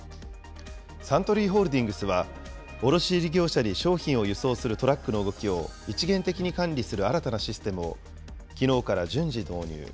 サントリーホールディングスは、卸売業者に商品を輸送するトラックの動きを一元的に管理する新たなシステムを、きのうから順次導入。